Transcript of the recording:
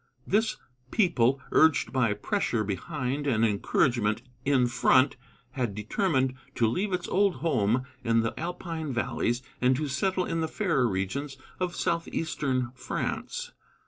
This people, urged by pressure behind and encouragement in front, had determined to leave its old home in the Alpine valleys and to settle in the fairer regions of southeastern France.